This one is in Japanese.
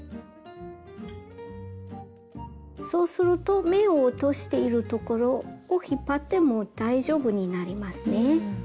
そうすると目を落としているところを引っ張っても大丈夫になりますね。